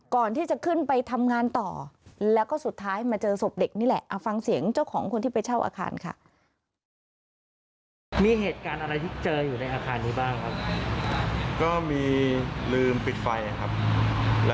ก่อนที่จะขึ้นไปทำงานต่อแล้วก็สุดท้ายมาเจอศพเด็กนี่แหละเอาฟังเสียงเจ้าของคนที่ไปเช่าอาคารค่ะ